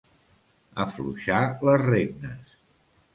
Afluixar les regnes.